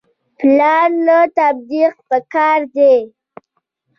پلان نه تطبیق پکار دی